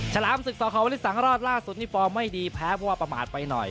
ฉลามศึกสควริสังรอดล่าสุดนี่ฟอร์มไม่ดีแพ้เพราะว่าประมาทไปหน่อย